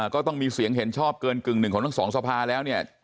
ก็ต้องมีเสียงเห็นชอบเกินกึ่งหนึ่งของทั้งสองสภาแล้วเนี่ย